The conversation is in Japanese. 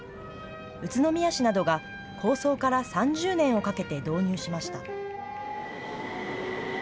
宇都宮市などが、構想から３０年をかけて導入しました。